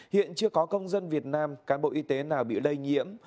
hiện chưa có công dân việt nam cán bộ y tế nào bị lây nhiễm